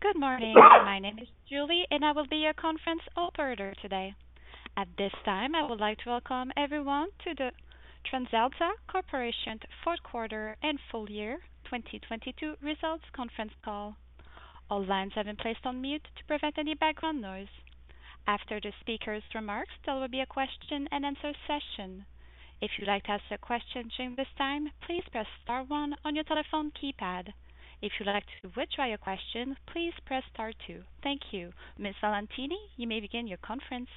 Good morning. My name is Julie, and I will be your conference operator today. At this time, I would like to welcome everyone to the TransAlta Corporation fourth quarter and full-year 2022 results conference call. All lines have been placed on mute to prevent any background noise. After the speaker's remarks, there will be a question-and-answer session. If you'd like to ask a question during this time, please press star one on your telephone keypad. If you'd like to withdraw your question, please press star two. Thank you. Ms. Valentini, you may begin your conference.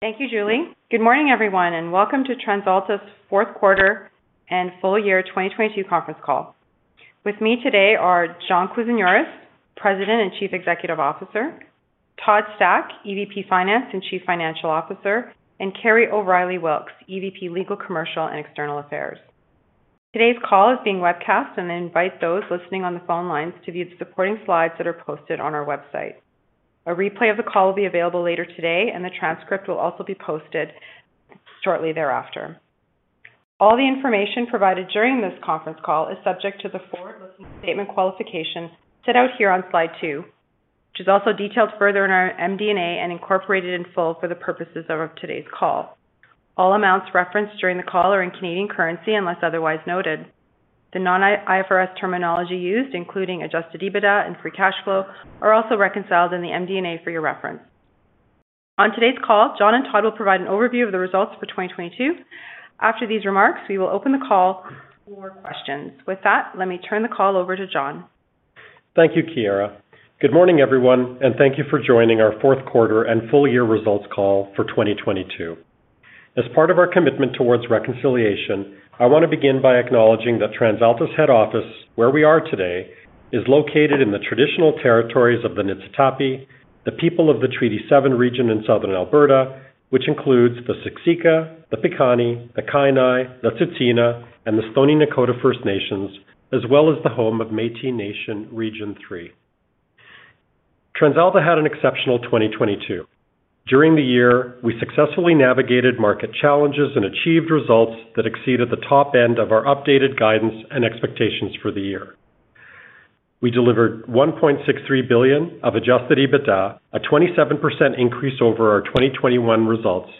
Thank you, Julie. Good morning, everyone, and welcome to TransAlta's fourth quarter and full-year 2022 conference call. With me today are John Kousinioris, President and Chief Executive Officer, Todd Stack, EVP Finance and Chief Financial Officer, and Kerry O'Reilly Wilks, EVP, Legal, Commercial and External Affairs. Today's call is being webcast. I invite those listening on the phone lines to view the supporting slides that are posted on our website. A replay of the call will be available later today. The transcript will also be posted shortly thereafter. All the information provided during this conference call is subject to the forward-looking statement qualifications set out here on slide two, which is also detailed further in our MD&A and incorporated in full for the purposes of today's call. All amounts referenced during the call are in Canadian currency, unless otherwise noted. The non-IFRS terminology used, including adjusted EBITDA and free cash flow, are also reconciled in the MD&A for your reference. On today's call, John and Todd will provide an overview of the results for 2022. After these remarks, we will open the call for questions. Let me turn the call over to John. Thank you, Chiara. Good morning, everyone, and thank you for joining our fourth quarter and full-year results call for 2022. As part of our commitment towards reconciliation, I want to begin by acknowledging that TransAlta's head office, where we are today, is located in the traditional territories of the Niitsitapi, the people of the Treaty 7 region in Southern Alberta, which includes the Siksika, the Piikani, the Kainai, the Tsuut'ina, and the Stoney Nakoda First Nations, as well as the home of Métis Nation Region 3. TransAlta had an exceptional 2022. During the year, we successfully navigated market challenges and achieved results that exceeded the top end of our updated guidance and expectations for the year. We delivered 1.63 billion of adjusted EBITDA, a 27% increase over our 2021 results,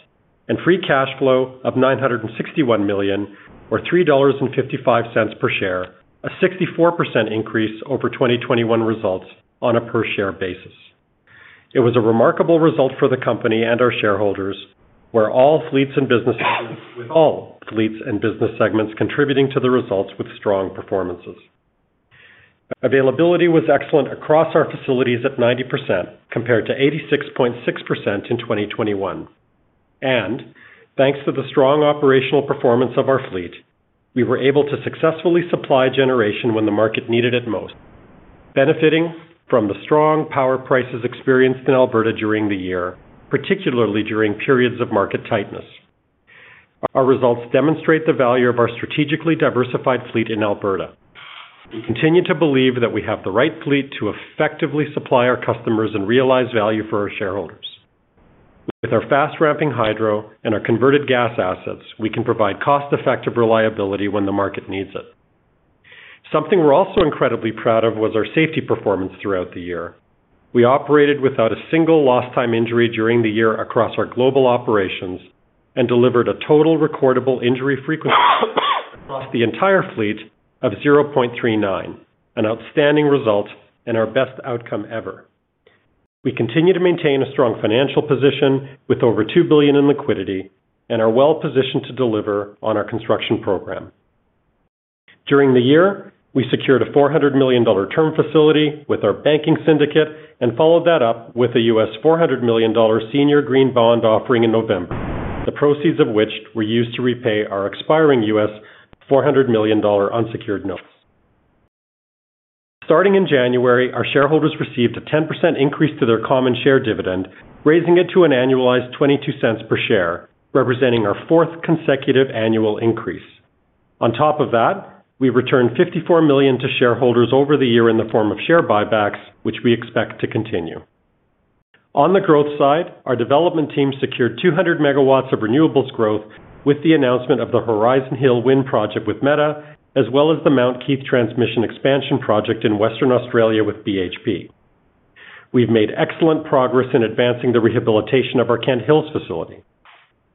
and free cash flow of 961 million or 3.55 dollars per share, a 64% increase over 2021 results on a per-share basis. It was a remarkable result for the company and our shareholders, where all fleets and business segments, with all fleets and business segments contributing to the results with strong performances. Availability was excellent across our facilities at 90%, compared to 86.6% in 2021. Thanks to the strong operational performance of our fleet, we were able to successfully supply generation when the market needed it most. Benefiting from the strong power prices experienced in Alberta during the year, particularly during periods of market tightness. Our results demonstrate the value of our strategically diversified fleet in Alberta. We continue to believe that we have the right fleet to effectively supply our customers and realize value for our shareholders. With our fast-ramping hydro and our converted gas assets, we can provide cost-effective reliability when the market needs it. Something we're also incredibly proud of was our safety performance throughout the year. We operated without a single lost time injury during the year across our global operations and delivered a total recordable injury frequency across the entire fleet of 0.39, an outstanding result and our best outcome ever. We continue to maintain a strong financial position with over 2 billion in liquidity and are well-positioned to deliver on our construction program. During the year, we secured a 400 million dollar term facility with our banking syndicate and followed that up with a $400 million senior green bond offering in November, the proceeds of which were used to repay our expiring $400 million unsecured notes. Starting in January, our shareholders received a 10% increase to their common share dividend, raising it to an annualized 0.22 per share, representing our fourth consecutive annual increase. On top of that, we returned 54 million to shareholders over the year in the form of share buybacks, which we expect to continue. On the growth side, our development team secured 200 MW of renewables growth with the announcement of the Horizon Hill Wind Project with Meta, as well as the Mount Keith transmission expansion project in Western Australia with BHP. We've made excellent progress in advancing the rehabilitation of our Kent Hills facility.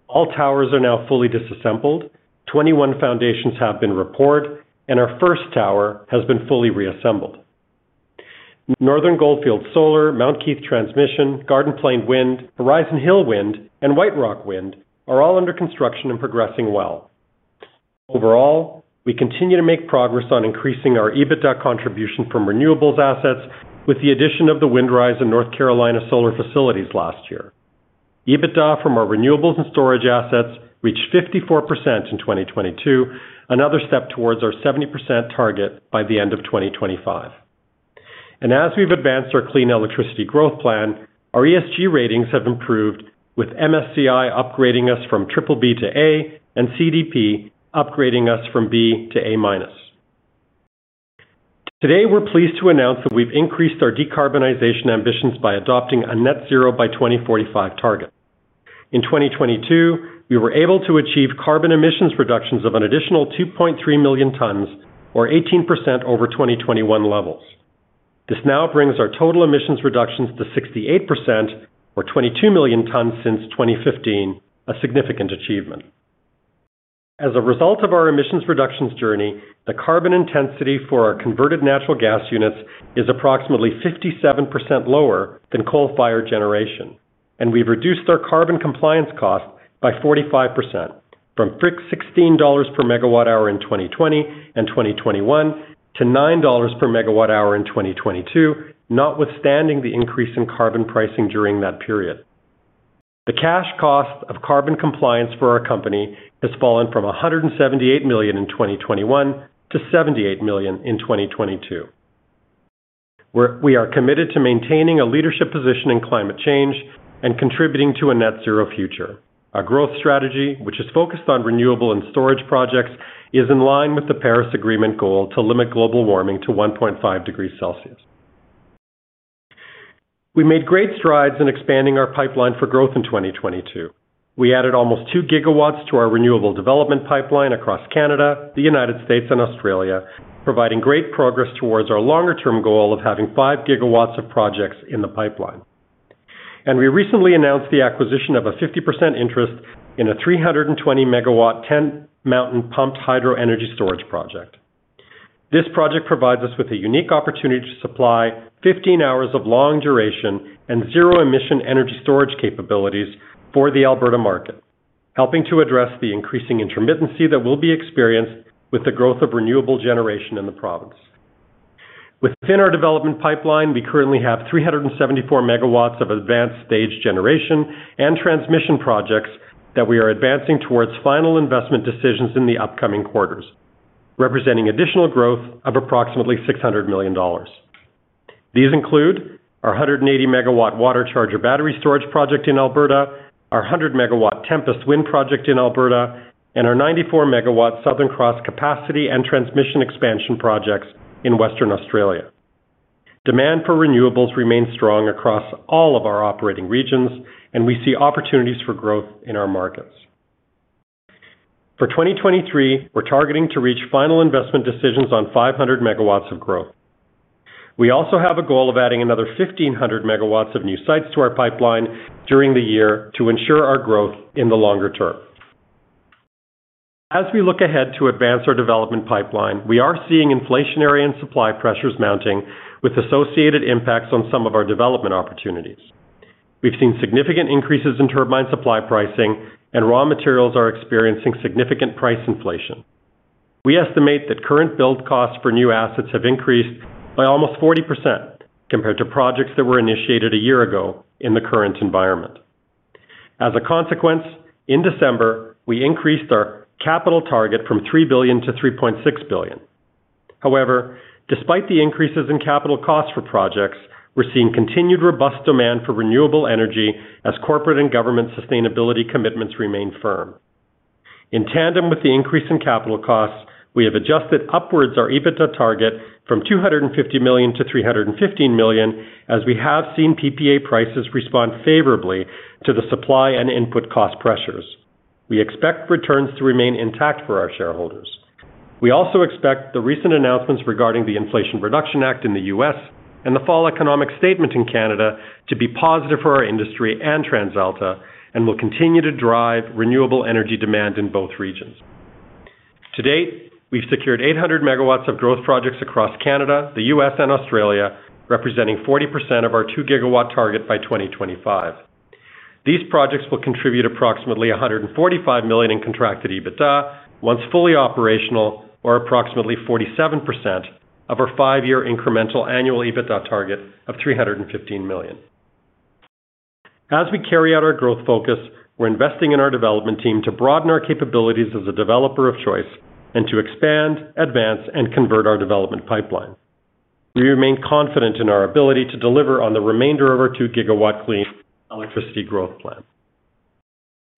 All towers are now fully disassembled, 21 foundations have been reported, and our first tower has been fully reassembled. Northern Goldfields Solar, Mount Keith transmission, Garden Plain Wind, Horizon Hill Wind, and White Rock Wind are all under construction and progressing well. We continue to make progress on increasing our EBITDA contribution from renewables assets with the addition of the Windrise and North Carolina solar facilities last year. EBITDA from our renewables and storage assets reached 54% in 2022, another step towards our 70% target by the end of 2025. As we've advanced our clean electricity growth plan, our ESG ratings have improved with MSCI upgrading us from BBB to A and CDP upgrading us from B to A-. Today, we're pleased to announce that we've increased our decarbonization ambitions by adopting a net zero by 2045 target. In 2022, we were able to achieve carbon emissions reductions of an additional 2.3 million tons or 18% over 2021 levels. This now brings our total emissions reductions to 68% or 22 million tons since 2015, a significant achievement. As a result of our emissions reductions journey, the carbon intensity for our converted natural gas units is approximately 57% lower than coal-fired generation, and we've reduced our carbon compliance costs by 45% from 16 dollars per MWh in 2020 and 2021 to 9 dollars per MWh in 2022, notwithstanding the increase in carbon pricing during that period. The cash cost of carbon compliance for our company has fallen from 178 million in 2021 to 78 million in 2022. We are committed to maintaining a leadership position in climate change and contributing to a net zero future. Our growth strategy, which is focused on renewable and storage projects, is in line with the Paris Agreement goal to limit global warming to 1.5 degrees celsius. We made great strides in expanding our pipeline for growth in 2022. We added almost 2 GW to our renewable development pipeline across Canada, the United States, and Australia, providing great progress towards our longer-term goal of having 5 GW of projects in the pipeline. We recently announced the acquisition of a 50% interest in a 320 MW Tent Mountain pumped hydro energy storage project. This project provides us with a unique opportunity to supply 15 hours of long duration and zero-emission energy storage capabilities for the Alberta market, helping to address the increasing intermittency that will be experienced with the growth of renewable generation in the province. Within our development pipeline, we currently have 374 MW of advanced stage generation and transmission projects that we are advancing towards final investment decisions in the upcoming quarters, representing additional growth of approximately 600 million dollars. These include our 180 MW WaterCharger battery storage project in Alberta, our 100 MW Tempest wind project in Alberta, and our 94 MW Southern Cross capacity and transmission expansion projects in Western Australia. Demand for renewables remains strong across all of our operating regions, and we see opportunities for growth in our markets. For 2023, we're targeting to reach final investment decisions on 500 MW of growth. We also have a goal of adding another 1,500 MW of new sites to our pipeline during the year to ensure our growth in the longer term. As we look ahead to advance our development pipeline, we are seeing inflationary and supply pressures mounting with associated impacts on some of our development opportunities. We've seen significant increases in turbine supply pricing and raw materials are experiencing significant price inflation. We estimate that current build costs for new assets have increased by almost 40% compared to projects that were initiated a year ago in the current environment. As a consequence, in December, we increased our capital target from 3 billion to 3.6 billion. Despite the increases in capital costs for projects, we're seeing continued robust demand for renewable energy as corporate and government sustainability commitments remain firm. In tandem with the increase in capital costs, we have adjusted upwards our EBITDA target from 250 million to 315 million as we have seen PPA prices respond favorably to the supply and input cost pressures. We expect returns to remain intact for our shareholders. We also expect the recent announcements regarding the Inflation Reduction Act in the U.S. and the Fall Economic Statement in Canada to be positive for our industry and TransAlta, and will continue to drive renewable energy demand in both regions. To date, we've secured 800 MW of growth projects across Canada, the U.S., and Australia, representing 40% of our 2 GW target by 2025. These projects will contribute approximately 145 million in contracted EBITDA once fully operational or approximately 47% of our five-year incremental annual EBITDA target of 315 million. As we carry out our growth focus, we're investing in our development team to broaden our capabilities as a developer of choice and to expand, advance, and convert our development pipeline. We remain confident in our ability to deliver on the remainder of our 2 GW clean electricity growth plan.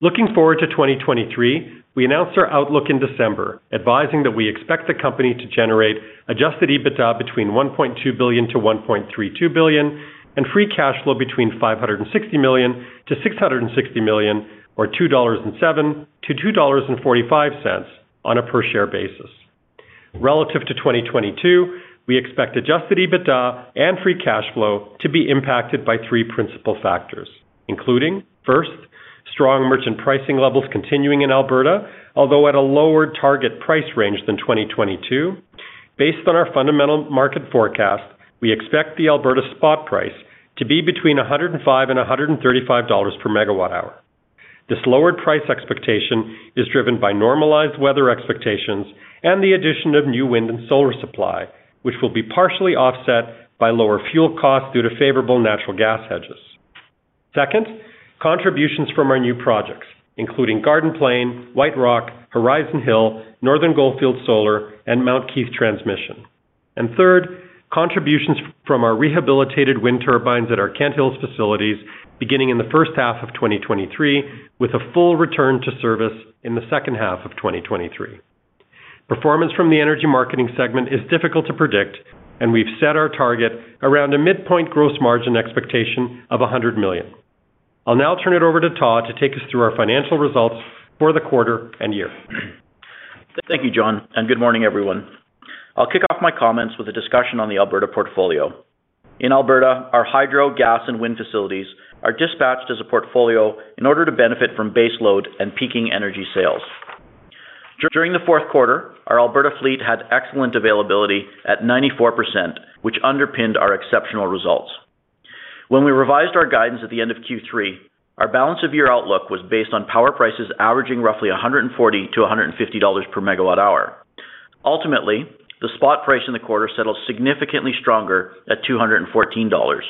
Looking forward to 2023, we announced our outlook in December, advising that we expect the company to generate adjusted EBITDA between 1.2 billion-1.32 billion and free cash flow between 560 million-660 million or 2.07-2.45 dollars on a per share basis. Relative to 2022, we expect adjusted EBITDA and free cash flow to be impacted by three principal factors, including, first, strong merchant pricing levels continuing in Alberta, although at a lower target price range than 2022. Based on our fundamental market forecast, we expect the Alberta spot price to be between 105 and 135 dollars per MWh. This lower price expectation is driven by normalized weather expectations and the addition of new wind and solar supply, which will be partially offset by lower fuel costs due to favorable natural gas hedges. Second, contributions from our new projects, including Garden Plain, White Rock, Horizon Hill, Northern Goldfields Solar, and Mount Keith transmission. Third, contributions from our rehabilitated wind turbines at our Kent Hills facilities beginning in the first half of 2023, with a full return to service in the second half of 2023. Performance from the energy marketing segment is difficult to predict, and we've set our target around a midpoint gross margin expectation of 100 million. I'll now turn it over to Todd to take us through our financial results for the quarter and year. Thank you, John. Good morning, everyone. I'll kick off my comments with a discussion on the Alberta portfolio. In Alberta, our hydro, gas, and wind facilities are dispatched as a portfolio in order to benefit from base load and peaking energy sales. During the fourth quarter, our Alberta fleet had excellent availability at 94%, which underpinned our exceptional results. When we revised our guidance at the end of Q3, our balance of year outlook was based on power prices averaging roughly 140-150 dollars per MWh. Ultimately, the spot price in the quarter settled significantly stronger at 214 dollars,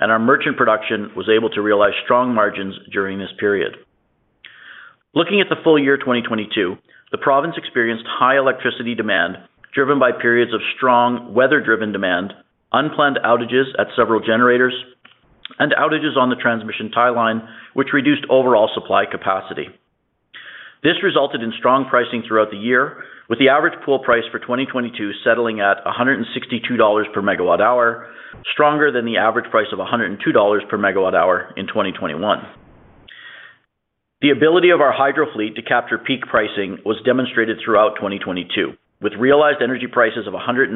and our merchant production was able to realize strong margins during this period. Looking at the full-year, 2022, the province experienced high electricity demand, driven by periods of strong weather-driven demand, unplanned outages at several generators, and outages on the transmission tie line, which reduced overall supply capacity. This resulted in strong pricing throughout the year, with the average pool price for 2022 settling at 162 dollars per MWh, stronger than the average price of 102 dollars per MWh in 2021. The ability of our hydro fleet to capture peak pricing was demonstrated throughout 2022, with realized energy prices of 197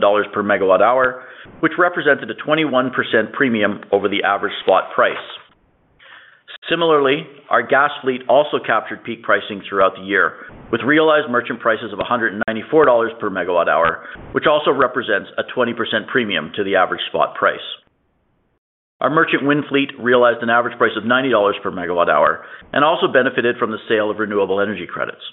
dollars per MWh, which represented a 21% premium over the average spot price. Similarly, our gas fleet also captured peak pricing throughout the year with realized merchant prices of 194 dollars per MWh, which also represents a 20% premium to the average spot price. Our merchant Wind Fleet realized an average price of 90 dollars per MWh and also benefited from the sale of renewable energy credits.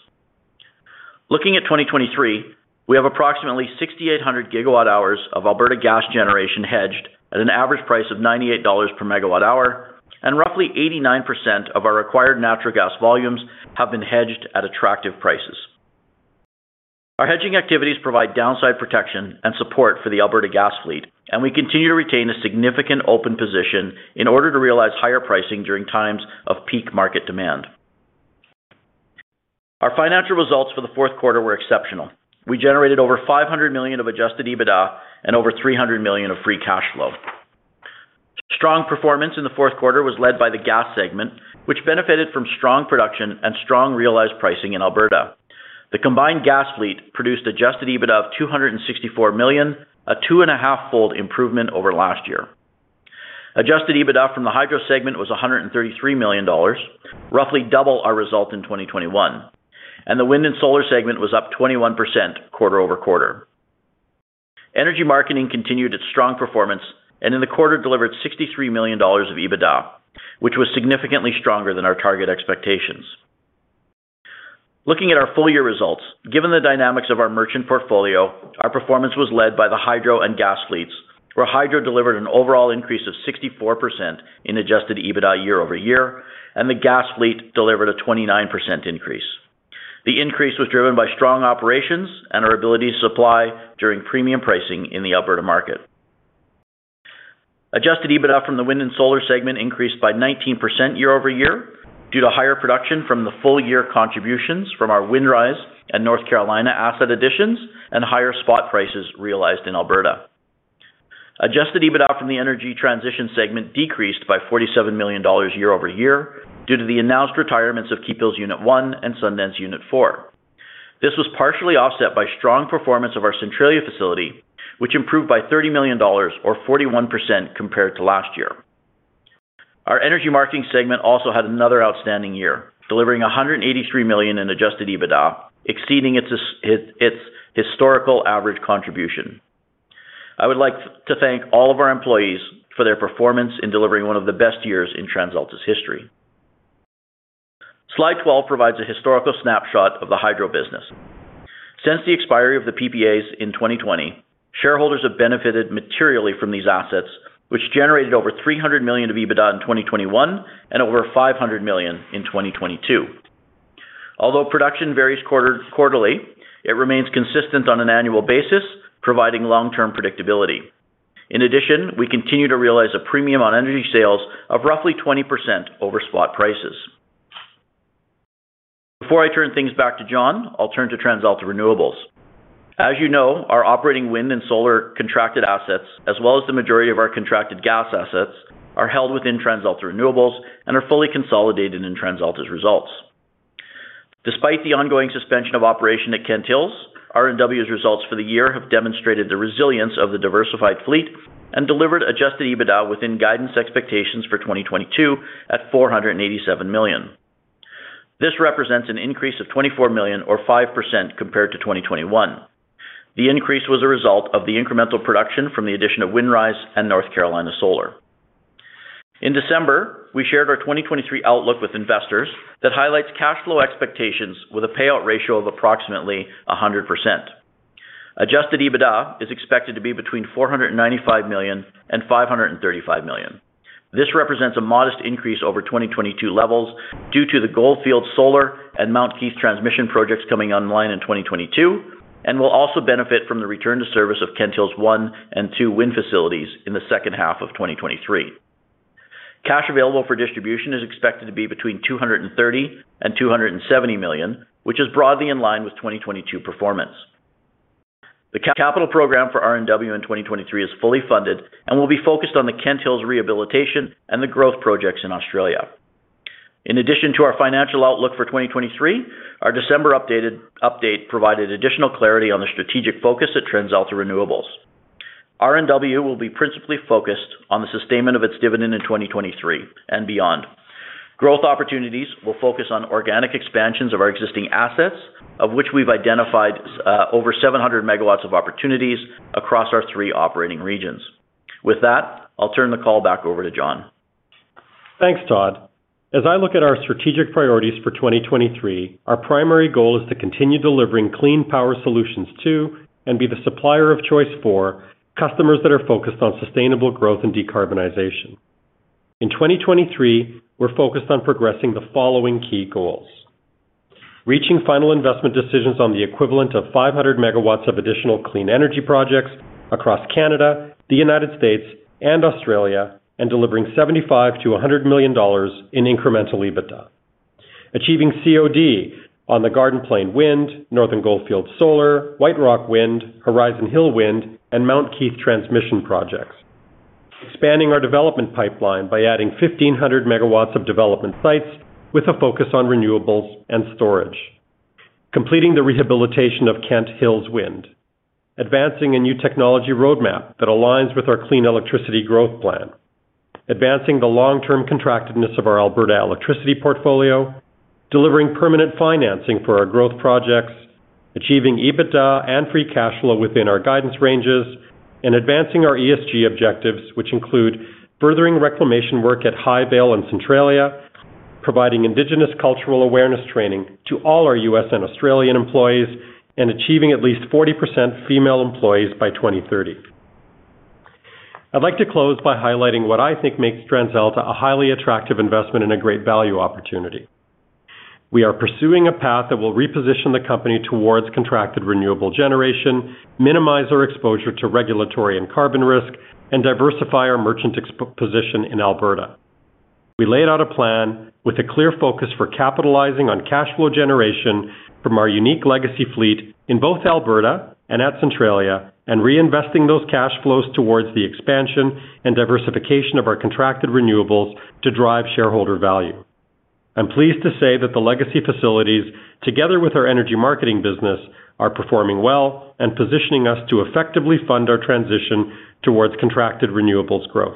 Looking at 2023, we have approximately 6,800 gigawatt hours of Alberta gas generation hedged at an average price of 98 dollars per MWh, and roughly 89% of our required natural gas volumes have been hedged at attractive prices. Our hedging activities provide downside protection and support for the Alberta gas fleet. We continue to retain a significant open position in order to realize higher pricing during times of peak market demand. Our financial results for the fourth quarter were exceptional. We generated over 500 million of adjusted EBITDA and over 300 million of free cash flow. Strong performance in the fourth quarter was led by the gas segment, which benefited from strong production and strong realized pricing in Alberta. The combined gas fleet produced adjusted EBITDA of 264 million, a two and a half fold improvement over last year. Adjusted EBITDA from the hydro segment was 133 million dollars, roughly double our result in 2021, and the wind and solar segment was up 21% quarter-over-quarter. Energy marketing continued its strong performance and in the quarter delivered 63 million dollars of EBITDA, which was significantly stronger than our target expectations. Looking at our full-year results, given the dynamics of our merchant portfolio, our performance was led by the hydro and gas fleets, where hydro delivered an overall increase of 64% in adjusted EBITDA year-over-year, and the gas fleet delivered a 29% increase. The increase was driven by strong operations and our ability to supply during premium pricing in the Alberta market. Adjusted EBITDA from the wind and solar segment increased by 19% year-over-year due to higher production from the full-year contributions from our Windrise and North Carolina asset additions and higher spot prices realized in Alberta. Adjusted EBITDA from the energy transition segment decreased by 47 million dollars year-over-year due to the announced retirements of Keephills Unit 1 and Sundance Unit 4. This was partially offset by strong performance of our Centralia facility, which improved by 30 million dollars, or 41% compared to last year. Our energy marketing segment also had another outstanding year, delivering 183 million in adjusted EBITDA, exceeding its historical average contribution. I would like to thank all of our employees for their performance in delivering one of the best years in TransAlta's history. Slide 12 provides a historical snapshot of the hydro business. Since the expiry of the PPAs in 2020, shareholders have benefited materially from these assets, which generated over 300 million of EBITDA in 2021 and over 500 million in 2022. Although production varies quarter-quarterly, it remains consistent on an annual basis, providing long-term predictability. In addition, we continue to realize a premium on energy sales of roughly 20% over spot prices. Before I turn things back to John, I'll turn to TransAlta Renewables. As you know, our operating wind and solar contracted assets, as well as the majority of our contracted gas assets, are held within TransAlta Renewables and are fully consolidated in TransAlta's results. Despite the ongoing suspension of operation at Keephills, RNW's results for the year have demonstrated the resilience of the diversified fleet and delivered adjusted EBITDA within guidance expectations for 2022 at 487 million. This represents an increase of 24 million, or 5% compared to 2021. The increase was a result of the incremental production from the addition of Windrise and North Carolina Solar. In December, we shared our 2023 outlook with investors that highlights cash flow expectations with a payout ratio of approximately 100%. Adjusted EBITDA is expected to be between 495 million and 535 million. This represents a modest increase over 2022 levels due to the Goldfield Solar and Mount Keith transmission projects coming online in 2022 and will also benefit from the return to service of Kent Hills 1 and 2 wind facilities in the second half of 2023. Cash available for distribution is expected to be between 230 million and 270 million, which is broadly in line with 2022 performance. The capital program for RNW in 2023 is fully funded and will be focused on the Kent Hills rehabilitation and the growth projects in Australia. In addition to our financial outlook for 2023, our December update provided additional clarity on the strategic focus at TransAlta Renewables. RNW will be principally focused on the sustainment of its dividend in 2023 and beyond. Growth opportunities will focus on organic expansions of our existing assets, of which we've identified, over 700 MW of opportunities across our three operating regions. With that, I'll turn the call back over to John. Thanks, Todd. As I look at our strategic priorities for 2023, our primary goal is to continue delivering clean power solutions to and be the supplier of choice for customers that are focused on sustainable growth and decarbonization. In 2023, we're focused on progressing the following key goals. Reaching final investment decisions on the equivalent of 500 MW of additional clean energy projects across Canada, the United States, and Australia, and delivering $75 million-$100 million in incremental EBITDA. Achieving COD on the Garden Plain Wind, Northern Goldfields Solar, White Rock Wind, Horizon Hill Wind, and Mount Keith transmission projects. Expanding our development pipeline by adding 1,500 MW of development sites with a focus on renewables and storage. Completing the rehabilitation of Kent Hills Wind. Advancing a new technology roadmap that aligns with our clean electricity growth plan. Advancing the long-term contractiveness of our Alberta electricity portfolio. Delivering permanent financing for our growth projects. Achieving EBITDA and free cash flow within our guidance ranges. Advancing our ESG objectives, which include furthering reclamation work at Highvale and Centralia, providing indigenous cultural awareness training to all our U.S. and Australian employees, and achieving at least 40% female employees by 2030. I'd like to close by highlighting what I think makes TransAlta a highly attractive investment and a great value opportunity. We are pursuing a path that will reposition the company towards contracted renewable generation, minimize our exposure to regulatory and carbon risk, and diversify our merchant position in Alberta. We laid out a plan with a clear focus for capitalizing on cash flow generation from our unique legacy fleet in both Alberta and at Centralia, and reinvesting those cash flows towards the expansion and diversification of our contracted renewables to drive shareholder value. I'm pleased to say that the legacy facilities, together with our energy marketing business, are performing well and positioning us to effectively fund our transition towards contracted renewables growth.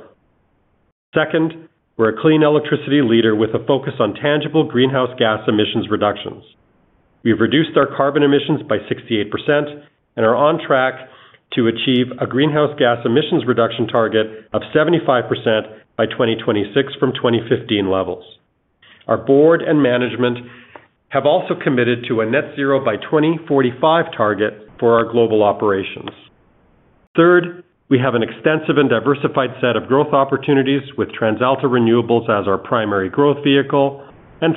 Second, we're a clean electricity leader with a focus on tangible greenhouse gas emissions reductions. We've reduced our carbon emissions by 68% and are on track to achieve a greenhouse gas emissions reduction target of 75% by 2026 from 2015 levels. Our board and management have also committed to a net zero by 2045 target for our global operations. Third, we have an extensive and diversified set of growth opportunities with TransAlta Renewables as our primary growth vehicle.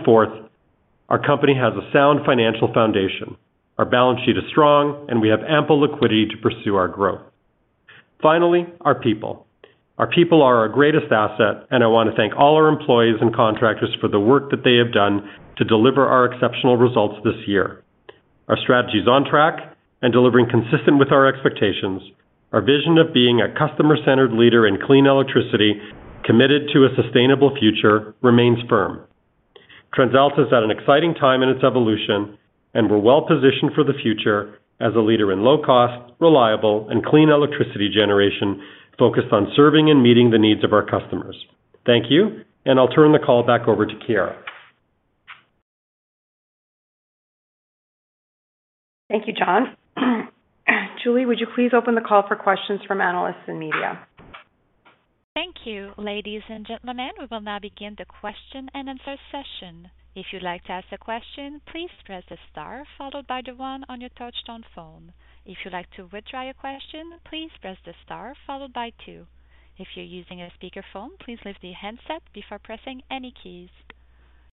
Fourth, our company has a sound financial foundation. Our balance sheet is strong, and we have ample liquidity to pursue our growth. Finally, our people. Our people are our greatest asset, and I want to thank all our employees and contractors for the work that they have done to deliver our exceptional results this year. Our strategy is on track and delivering consistent with our expectations. Our vision of being a customer-centered leader in clean electricity, committed to a sustainable future remains firm. TransAlta is at an exciting time in its evolution, and we're well positioned for the future as a leader in low cost, reliable and clean electricity generation focused on serving and meeting the needs of our customers. Thank you, I'll turn the call back over to Chiara. Thank you, John. Julie, would you please open the call for questions from analysts and media? Thank you. Ladies and gentlemen, we will now begin the question and answer session. If you'd like to ask a question, please press star followed by the one on your touch-tone phone. If you'd like to withdraw your question, please press the star followed by two. If you're using a speakerphone, please lift the handset before pressing any keys.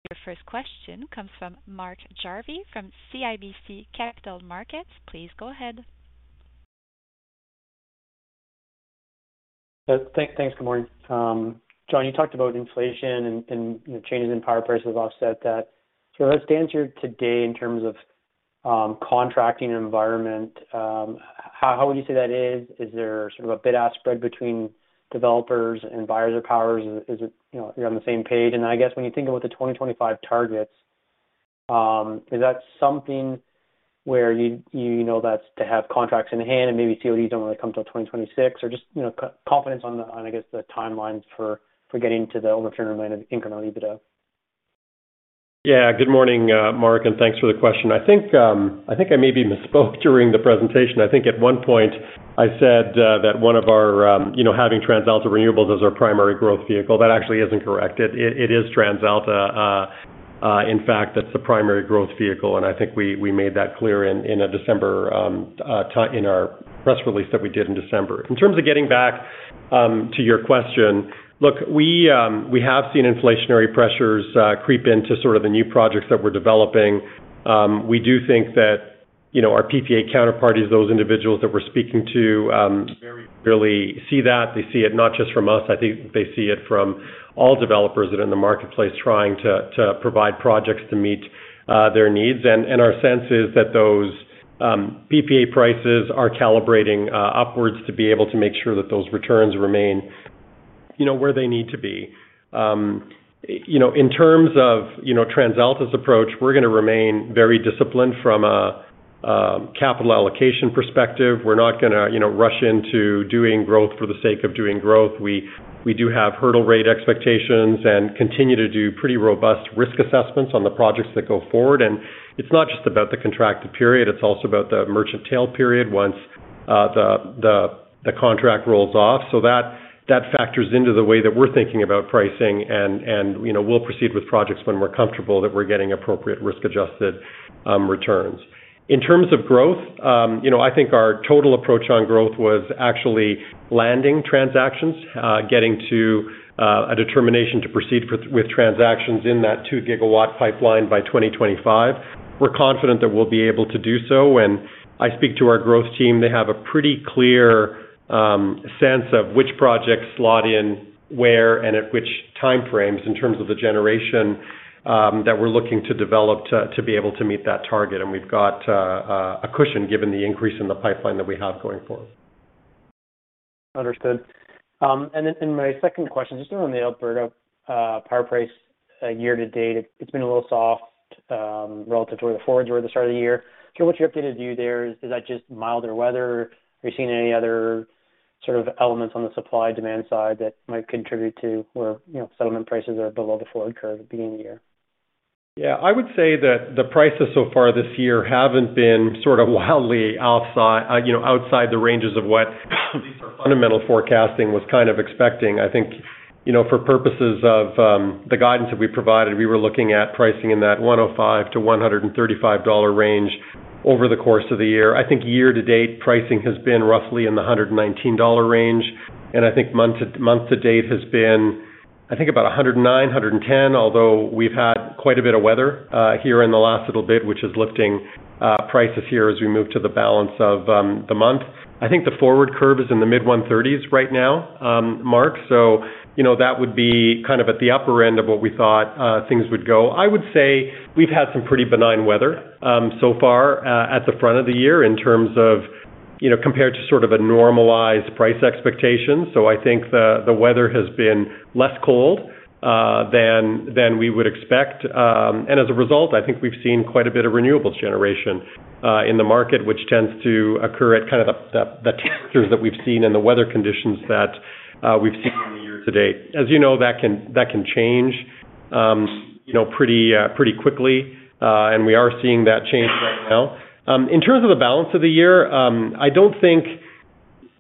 Your first question comes from Mark Jarvi from CIBC Capital Markets. Please go ahead. Thanks. Good morning. John, you talked about inflation and changes in power prices offset that. As TransAlta today in terms of contracting environment, how would you say that is? Is there sort of a bid-ask spread between developers and buyers of powers? Is it, you know, you're on the same page? I guess when you think about the 2025 targets, is that something where you know, that's to have contracts in hand and maybe CODs don't really come till 2026 or just, you know, confidence on the, I guess, the timelines for getting to the promised land of incremental EBITDA? Good morning, Mark, thanks for the question. I think I maybe misspoke during the presentation. I think at one point I said that one of our, you know, having TransAlta Renewables as our primary growth vehicle, that actually isn't correct. It is TransAlta, in fact, that's the primary growth vehicle. I think we made that clear in a December press release that we did in December. In terms of getting back to your question, look, we have seen inflationary pressures creep into sort of the new projects that we're developing. We do think that, you know, our PPA counterparties, those individuals that we're speaking to, very really see that. They see it not just from us, I think they see it from all developers that are in the marketplace trying to provide projects to meet their needs. Our sense is that those PPA prices are calibrating upwards to be able to make sure that those returns remain, you know, where they need to be. You know, in terms of, you know, TransAlta's approach, we're gonna remain very disciplined from a capital allocation perspective. We're not gonna, you know, rush into doing growth for the sake of doing growth. We do have hurdle rate expectations and continue to do pretty robust risk assessments on the projects that go forward. It's not just about the contracted period, it's also about the merchant tail period once the contract rolls off. That factors into the way that we're thinking about pricing and, you know, we'll proceed with projects when we're comfortable that we're getting appropriate risk-adjusted returns. In terms of growth, you know, I think our total approach on growth was actually landing transactions, getting to a determination to proceed with transactions in that 2 GW pipeline by 2025. We're confident that we'll be able to do so. When I speak to our growth team, they have a pretty clear sense of which projects slot in where and at which time frames in terms of the generation that we're looking to develop to be able to meet that target. We've got a cushion given the increase in the pipeline that we have going forward. Understood. And my second question, just on the Alberta power price year-to-date, it's been a little soft relative to the forwards over the start of the year. What's your updated view there? Is that just milder weather? Are you seeing any other sort of elements on the supply-demand side that might contribute to where, you know, settlement prices are below the forward curve at the beginning of the year? Yeah. I would say that the prices so far this year haven't been sort of wildly outside, you know, outside the ranges of what at least our fundamental forecasting was kind of expecting. I think, you know, for purposes of the guidance that we provided, we were looking at pricing in that 105-135 dollar range over the course of the year. I think year-to-date, pricing has been roughly in the 119 dollar range. I think month to date has been, I think about 109-110, although we've had quite a bit of weather here in the last little bit, which is lifting prices here as we move to the balance of the month. I think the forward curve is in the mid 130s right now, Mark. you know, that would be kind of at the upper end of what we thought things would go. I would say we've had some pretty benign weather, so far, at the front of the year in terms of, you know, compared to sort of a normalized price expectation. I think the weather has been less cold than we would expect. As a result, I think we've seen quite a bit of renewables generation in the market, which tends to occur at kind of the temperatures that we've seen and the weather conditions that we've seen in the year-to-date. As you know, that can change, you know, pretty quickly. We are seeing that change right now. In terms of the balance of the year,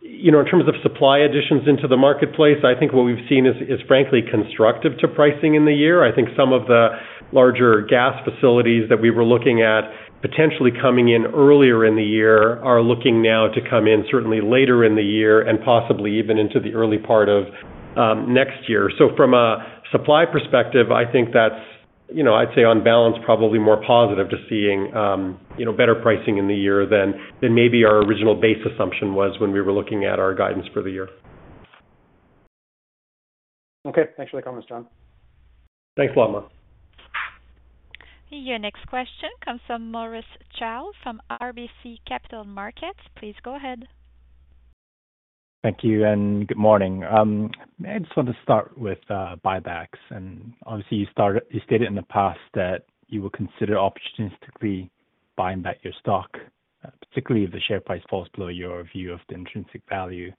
you know, in terms of supply additions into the marketplace, I think what we've seen is frankly constructive to pricing in the year. I think some of the larger gas facilities that we were looking at potentially coming in earlier in the year are looking now to come in certainly later in the year and possibly even into the early part of next year. From a supply perspective, I think that's, you know, I'd say on balance, probably more positive to seeing, you know, better pricing in the year than maybe our original base assumption was when we were looking at our guidance for the year. Okay. Thanks for the comments, John. Thanks a lot, Mark. Your next question comes from Maurice Choy from RBC Capital Markets. Please go ahead. Thank you, good morning. I just want to start with buybacks. Obviously, you stated in the past that you will consider opportunistically buying back your stock, particularly if the share price falls below your view of the intrinsic value.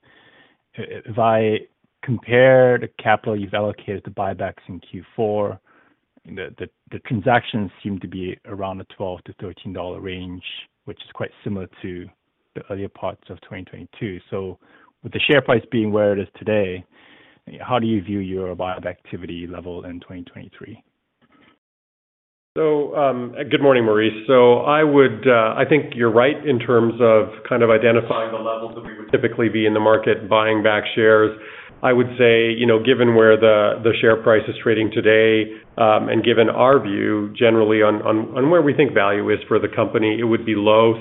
If I compare the capital you've allocated to buybacks in Q4, the transactions seem to be around the 12-13 dollar range, which is quite similar to the earlier parts of 2022. With the share price being where it is today, how do you view your buyback activity level in 2023? Good morning, Maurice. I would, I think you're right in terms of kind of identifying the levels that we would typically be in the market buying back shares. I would say, you know, given where the share price is trading today, and given our view generally on where we think value is for the company, it would be low.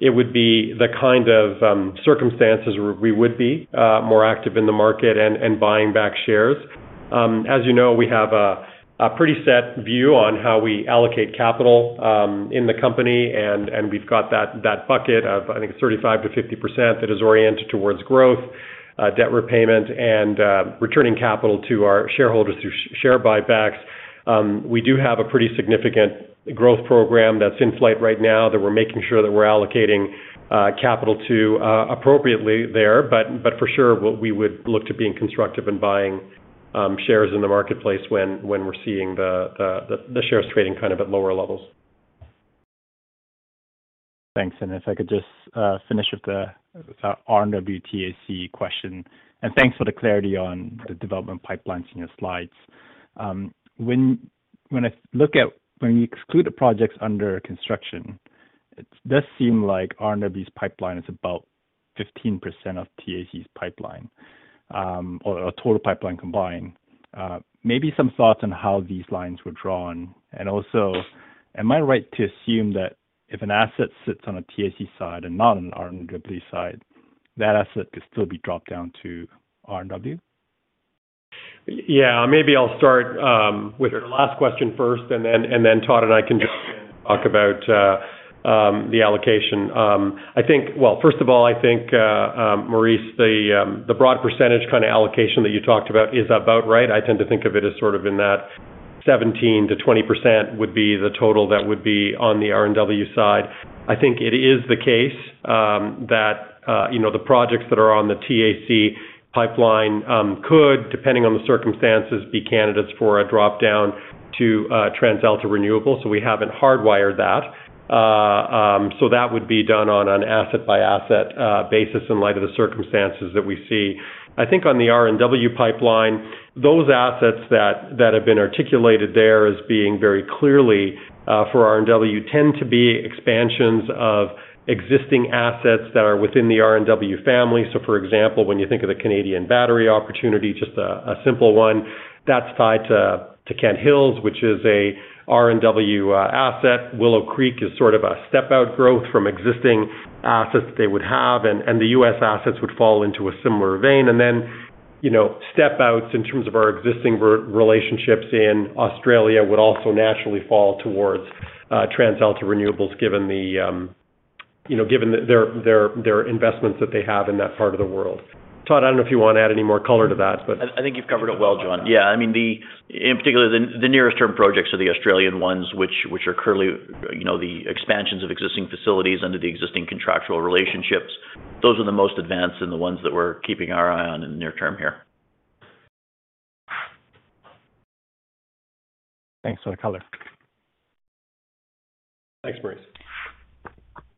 It would be the kind of circumstances where we would be more active in the market and buying back shares. As you know, we have a pretty set view on how we allocate capital in the company, and we've got that bucket of, I think 35%-50% that is oriented towards growth, debt repayment and returning capital to our shareholders through share buybacks. We do have a pretty significant growth program that's in flight right now that we're making sure that we're allocating capital to appropriately there. For sure, we would look to being constructive and buying shares in the marketplace when we're seeing the shares trading kind of at lower levels. Thanks. If I could just finish with the RNW/TAC question, and thanks for the clarity on the development pipelines in your slides. When you exclude the projects under construction, it does seem like RNW's pipeline is about 15% of TAC's pipeline, or a total pipeline combined. Maybe some thoughts on how these lines were drawn. Also, am I right to assume that if an asset sits on a TAC side and not an RNW side, that asset could still be dropped down to RNW? Yeah. Maybe I'll start with your last question first, then Todd and I can jump in and talk about the allocation. Well, first of all, I think Maurice, the broad percentage kind of allocation that you talked about is about right. I tend to think of it as sort of in that 17%-20% would be the total that would be on the RNW side. I think it is the case that, you know, the projects that are on the TAC pipeline could, depending on the circumstances, be candidates for a drop-down to TransAlta Renewables, so we haven't hardwired that. That would be done on an asset-by-asset basis in light of the circumstances that we see. I think on the RNW pipeline, those assets that have been articulated there as being very clearly for RNW tend to be expansions of existing assets that are within the RNW family. For example, when you think of the Canadian battery opportunity, just a simple one, that's tied to Kent Hills, which is a RNW asset. Willow Creek is sort of a step-out growth from existing assets that they would have. The U.S. assets would fall into a similar vein. Then, you know, step-outs in terms of our existing relationships in Australia would also naturally fall towards TransAlta Renewables, given the, you know, given their investments that they have in that part of the world. Todd, I don't know if you wanna add any more color to that. I think you've covered it well, John. Yeah. I mean, in particular, the nearest term projects are the Australian ones, which are currently, you know, the expansions of existing facilities under the existing contractual relationships. Those are the most advanced and the ones that we're keeping our eye on in the near term here. Thanks for the color. Thanks, Maurice.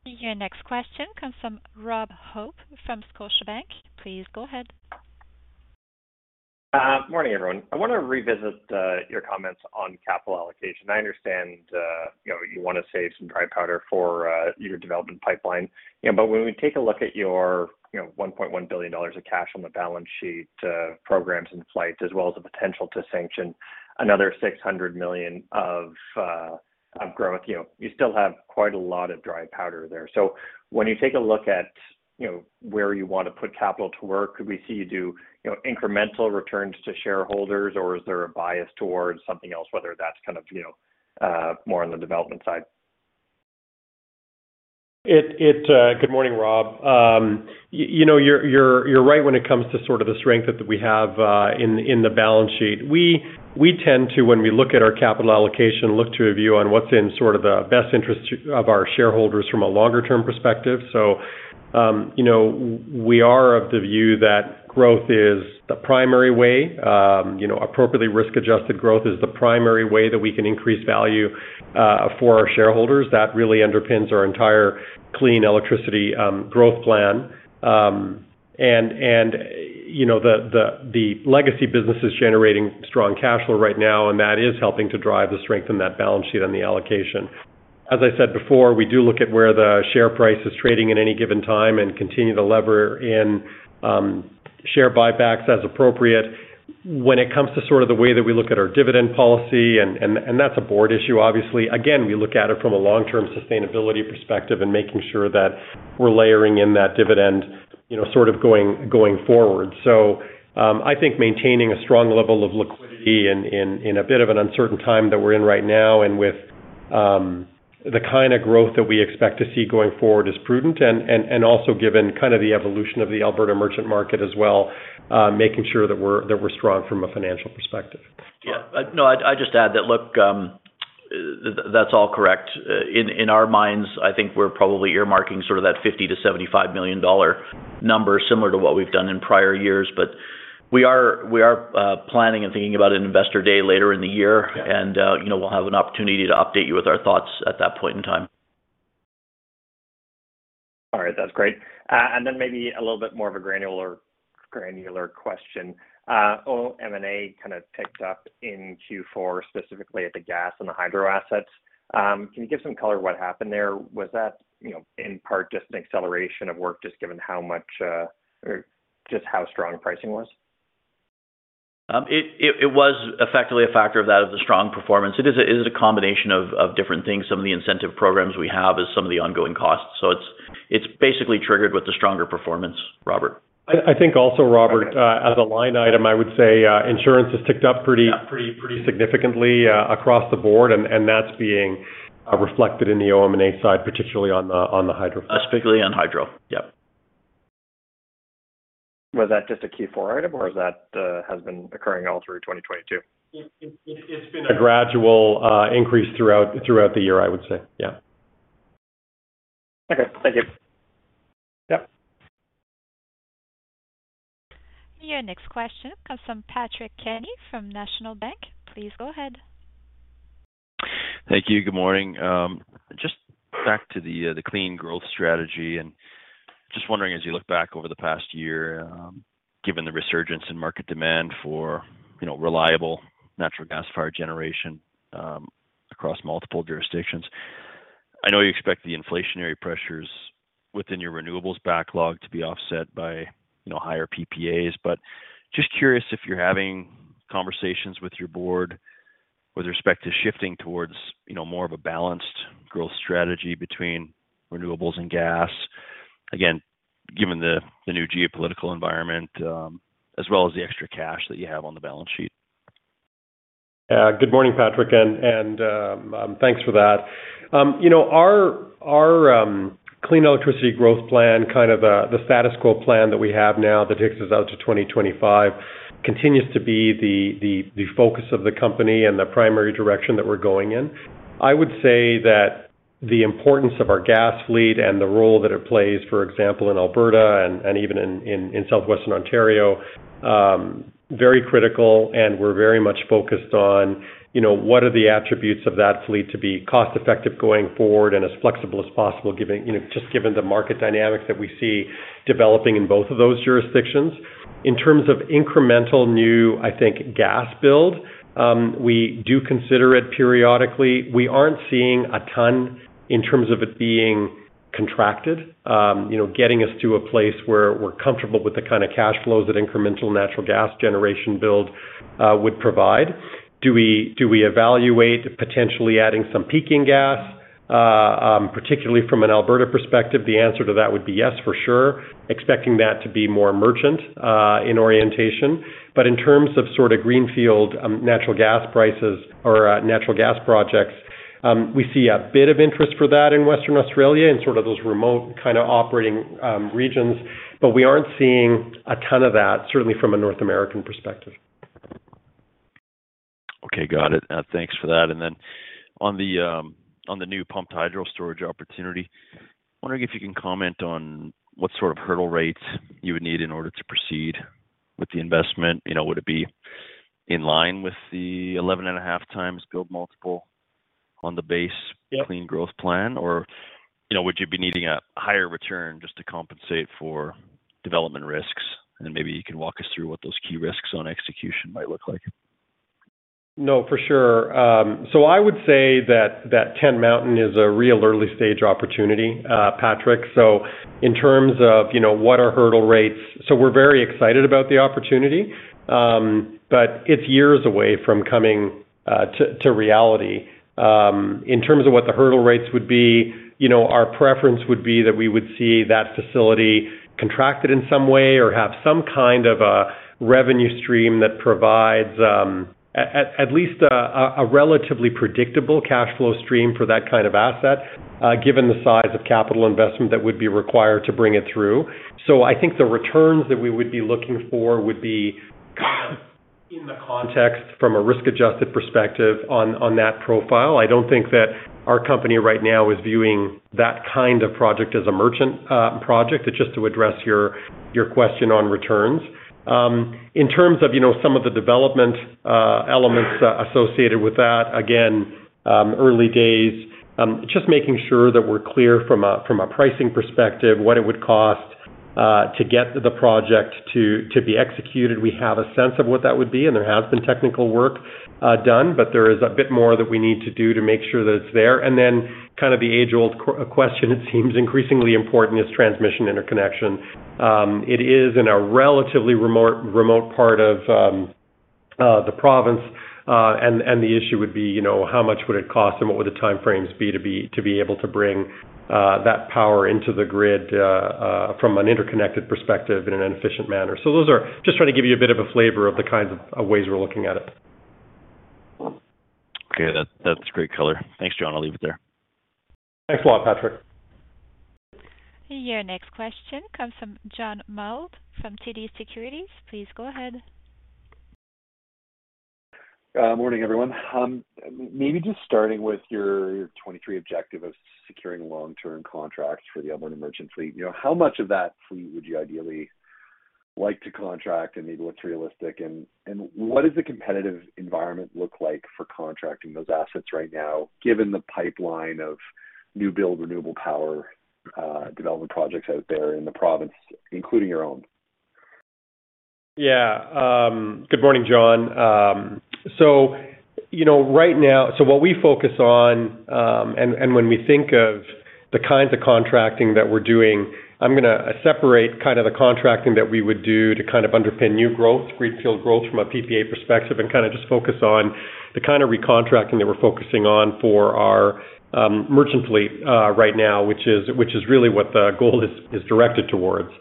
Your next question comes from Rob Hope from Scotiabank. Please go ahead. Morning, everyone. I wanna revisit your comments on capital allocation. I understand, you know, you wanna save some dry powder for your development pipeline. When we take a look at your, you know, 1.1 billion dollars of cash on the balance sheet, programs in flight, as well as the potential to sanction another 600 million of growth, you know, you still have quite a lot of dry powder there. When you take a look at, you know, where you want to put capital to work, could we see you do, you know, incremental returns to shareholders, or is there a bias towards something else, whether that's kind of, you know, more on the development side? Good morning, Rob. You know, you're right when it comes to sort of the strength that we have in the balance sheet. We tend to, when we look at our capital allocation, look to a view on what's in sort of the best interest of our shareholders from a longer-term perspective. You know, we are of the view that growth is the primary way, you know, appropriately risk-adjusted growth is the primary way that we can increase value for our shareholders. That really underpins our entire clean electricity growth plan. You know, the legacy business is generating strong cash flow right now, and that is helping to drive the strength in that balance sheet and the allocation. As I said before, we do look at where the share price is trading at any given time and continue to lever in share buybacks as appropriate. When it comes to sort of the way that we look at our dividend policy, and that's a board issue, obviously, again, we look at it from a long-term sustainability perspective and making sure that we're layering in that dividend, you know, sort of going forward. I think maintaining a strong level of liquidity in a bit of an uncertain time that we're in right now and with the kind of growth that we expect to see going forward is prudent. Also given kind of the evolution of the Alberta merchant market as well, making sure that we're strong from a financial perspective. Yeah. No, I just add that, look, that's all correct. In our minds, I think we're probably earmarking sort of that 50 million-75 million dollar number, similar to what we've done in prior years. We are planning and thinking about an Investor Day later in the year, you know, we'll have an opportunity to update you with our thoughts at that point in time. All right. That's great. Then maybe a little bit more of a granular question. O&M kind of ticked up in Q4, specifically at the gas and the hydro assets. Can you give some color what happened there, was that, you know, in part just an acceleration of work just given how much or just how strong pricing was? It was effectively a factor of the strong performance. It is a combination of different things. Some of the incentive programs we have is some of the ongoing costs. It's basically triggered with the stronger performance, Robert. I think also, Robert, as a line item, I would say, insurance has ticked up pretty significantly across the board, and that's being reflected in the O&M side, particularly on the hydro. Especially on hydro. Yep. Was that just a Q4 item, or is that, has been occurring all through 2022? It's been a gradual increase throughout the year, I would say. Yeah. Okay. Thank you. Yep. Your next question comes from Patrick Kenny from National Bank. Please go ahead. Thank you. Good morning. Just back to the clean growth strategy. Just wondering, as you look back over the past year, given the resurgence in market demand for, you know, reliable natural gas-fired generation, across multiple jurisdictions, I know you expect the inflationary pressures within your renewables backlog to be offset by, you know, higher PPAs. Just curious if you're having conversations with your board with respect to shifting towards, you know, more of a balanced growth strategy between renewables and gas. Again, given the new geopolitical environment, as well as the extra cash that you have on the balance sheet. Good morning, Patrick, and thanks for that. You know, our clean electricity growth plan, kind of, the status quo plan that we have now that takes us out to 2025 continues to be the focus of the company and the primary direction that we're going in. I would say that the importance of our gas fleet and the role that it plays, for example, in Alberta and even in Southwestern Ontario, very critical, and we're very much focused on, you know, what are the attributes of that fleet to be cost-effective going forward and as flexible as possible, you know, just given the market dynamics that we see developing in both of those jurisdictions. In terms of incremental new, I think, gas build, we do consider it periodically. We aren't seeing a ton in terms of it being contracted, you know, getting us to a place where we're comfortable with the kind of cash flows that incremental natural gas generation build would provide. Do we evaluate potentially adding some peaking gas, particularly from an Alberta perspective? The answer to that would be yes, for sure, expecting that to be more merchant in orientation. In terms of sort of greenfield natural gas prices or natural gas projects, we see a bit of interest for that in Western Australia, in sort of those remote kind of operating regions, but we aren't seeing a ton of that, certainly from a North American perspective. Okay. Got it. Thanks for that. Then on the on the new pumped hydro storage opportunity, wondering if you can comment on what sort of hurdle rates you would need in order to proceed with the investment. You know, would it be in line with the 11.5x build multiple on the base- Yeah. Clean growth plan? You know, would you be needing a higher return just to compensate for development risks? Maybe you can walk us through what those key risks on execution might look like. No, for sure. I would say that Tent Mountain is a real early-stage opportunity, Patrick. In terms of, you know, what are hurdle rates. We're very excited about the opportunity, but it's years away from coming to reality. In terms of what the hurdle rates would be, you know, our preference would be that we would see that facility contracted in some way or have some kind of a revenue stream that provides at least a relatively predictable cash flow stream for that kind of asset, given the size of capital investment that would be required to bring it through. I think the returns that we would be looking for would be in the context from a risk-adjusted perspective on that profile. I don't think that our company right now is viewing that kind of project as a merchant project. Just to address your question on returns. In terms of, you know, some of the development elements associated with that, again, early days, just making sure that we're clear from a pricing perspective, what it would cost to get the project to be executed. We have a sense of what that would be, and there has been technical work done, but there is a bit more that we need to do to make sure that it's there. Then kind of the age-old question, it seems increasingly important, is transmission interconnection. It is in a relatively remote part of the province, and the issue would be, you know, how much would it cost and what would the time frames be to be able to bring that power into the grid from an interconnected perspective in an efficient manner. Just trying to give you a bit of a flavor of the kinds of ways we're looking at it. Okay. That's great color. Thanks, John. I'll leave it there. Thanks a lot, Patrick. Your next question comes from John Mould from TD Securities. Please go ahead. Morning, everyone. Maybe just starting with your 2023 objective of securing long-term contracts for the Alberta merchant fleet. You know, how much of that fleet would you ideally like to contract, and maybe what's realistic? What does the competitive environment look like for contracting those assets right now, given the pipeline of new build renewable power, development projects out there in the province, including your own? Yeah. Good morning, John. What we focus on, and when we think of the kinds of contracting that we're doing, I'm gonna separate kind of the contracting that we would do to kind of underpin new growth, greenfield growth from a PPA perspective, and kind of just focus on the kind of recontracting that we're focusing on for our merchant fleet right now, which is really what the goal is directed towards.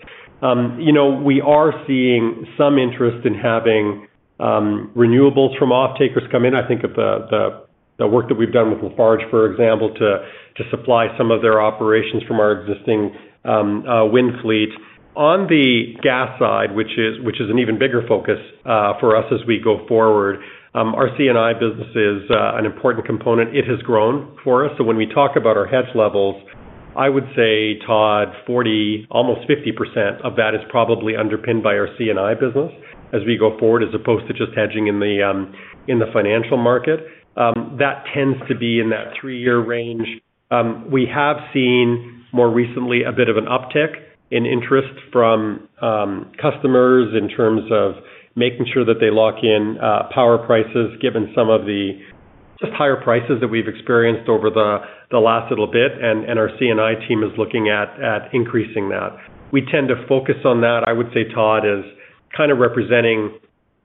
You know, we are seeing some interest in having renewables from offtakers come in. I think of the work that we've done with Lafarge, for example, to supply some of their operations from our existing wind fleet. On the gas side, which is an even bigger focus for us as we go forward, our C&I business is an important component. It has grown for us. When we talk about our hedge levels, I would say, Todd, 40%, almost 50% of that is probably underpinned by our C&I business as we go forward, as opposed to just hedging in the financial market. That tends to be in that three-year range. We have seen more recently a bit of an uptick in interest from customers in terms of making sure that they lock in power prices, given some of the just higher prices that we've experienced over the last little bit, and our C&I team is looking at increasing that. We tend to focus on that, I would say, Todd, as kind of representing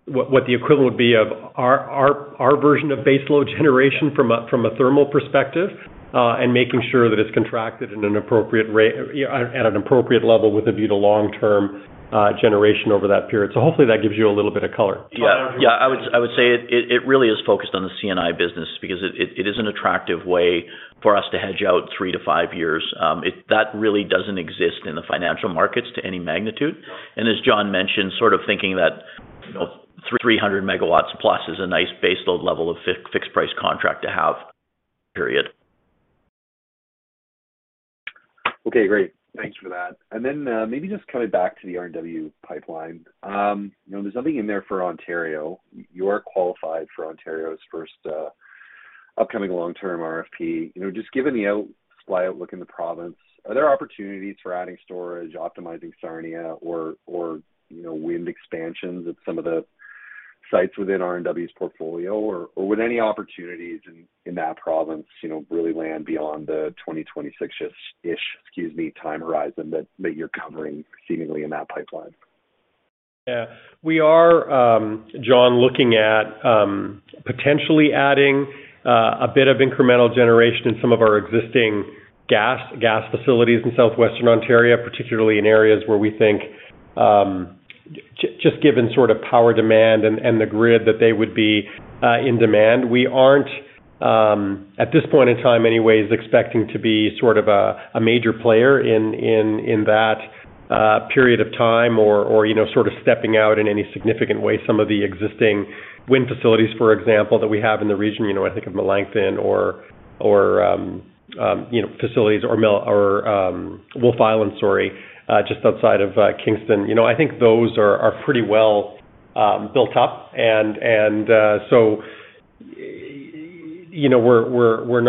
what the equivalent would be of our version of base load generation from a thermal perspective, and making sure that it's contracted at an appropriate level with a view to long-term generation over that period. Hopefully that gives you a little bit of color. Yeah. Yeah. I would say it really is focused on the C&I business because it is an attractive way for us to hedge out three to five years. That really doesn't exist in the financial markets to any magnitude. As John mentioned, sort of thinking that, you know, 300 MW-plus is a nice base load level of fixed price contract to have, period. Okay, great. Thanks for that. Then, maybe just coming back to the RNW pipeline. You know, there's nothing in there for Ontario. You're qualified for Ontario's first upcoming long-term RFP. You know, just given the out-supply outlook in the province, are there opportunities for adding storage, optimizing Sarnia or, you know, wind expansions at some of the sites within RNW's portfolio? Or would any opportunities in that province, you know, really land beyond the 2026-ish, excuse me, time horizon that you're covering seemingly in that pipeline? Yeah. We are, John, looking at potentially adding a bit of incremental generation in some of our existing gas facilities in Southwestern Ontario, particularly in areas where we think just given sort of power demand and the grid that they would be in demand. We aren't at this point in time anyways, expecting to be sort of a major player in that period of time or, you know, sort of stepping out in any significant way. Some of the existing wind facilities, for example, that we have in the region, you know, I think of Melancthon or, you know, facilities or Wolfe Island, sorry, just outside of Kingston. You know, I think those are pretty well built up. You know, we're